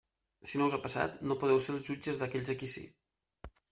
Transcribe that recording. Si no us ha passat, no podeu ser els jutges d'aquells a qui sí.